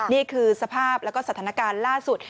นี่คือสภาพแล้วก็สถานการณ์ล่าสุด